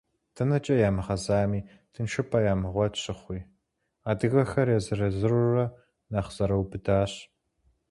Дэнэкӏэ ямыгъэзами тыншыпӏэ ямыгъуэт щыхъуи, адыгэхэр езыр-езырурэ нэхъ зэрыубыдащ.